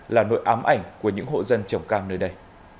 là nội ám ảnh của những hộ dân trồng cam nơi đây